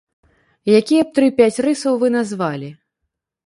Якія б тры-пяць рысаў вы назвалі?